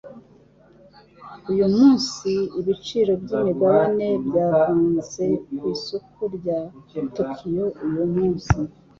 Uyu munsi ibiciro byimigabane byavanze ku isoko rya Tokiyo uyu munsi